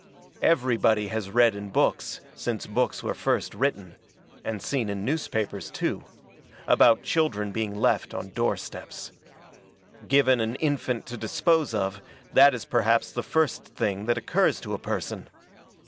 Everybody has read in books, since books were first written and seen in newspapers, too about children being left on door steps. Given an infant to dispose of, that is perhaps the first thing that occurs to a person.